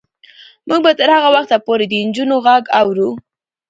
موږ به تر هغه وخته پورې د نجونو غږ اورو.